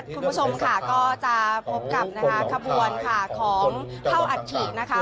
คุณผู้ชมค่ะก็จะพบกับคบวนภาครของเท่าอาทิตย์นะคะ